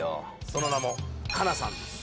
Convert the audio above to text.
その名も「カナ」さんです。